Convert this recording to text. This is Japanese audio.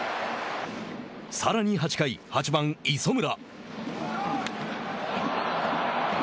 さらに８回、８番、磯村。